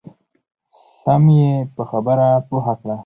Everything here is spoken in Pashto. سم یې په خبره پوه کړه.